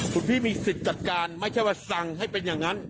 คุณพี่มีสิทธิ์จัดการไม่ใช่ว่าสั่งให้เป็นอย่างนั้น